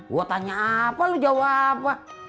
gue tanya apa lu jawab apa